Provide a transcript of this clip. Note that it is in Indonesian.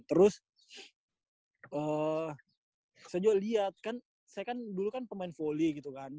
terus saya juga lihat kan saya kan dulu kan pemain volley gitu kan